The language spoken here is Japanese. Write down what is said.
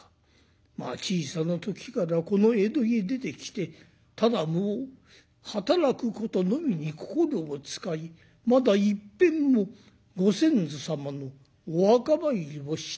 まあ小さな時からこの江戸へ出てきてただもう働くことのみに心を使いまだいっぺんもご先祖様のお墓参りをしていません。